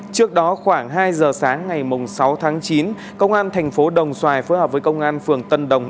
trước đó khoảng hai giờ sáng ngày sáu tháng chín công an thành phố đồng xoài phối hợp với công an phường tân đồng